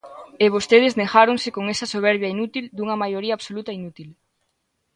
E vostedes negáronse con esa soberbia inútil dunha maioría absoluta inútil.